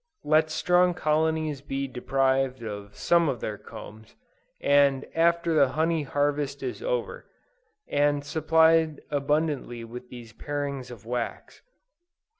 Let strong colonies be deprived of some of their combs, after the honey harvest is over, and supplied abundantly with these parings of wax.